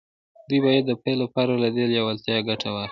دوی باید د پیل لپاره له دې لېوالتیا ګټه واخلي